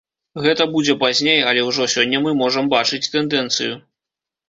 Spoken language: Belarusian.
Гэта будзе пазней, але ўжо сёння мы можам бачыць тэндэнцыю.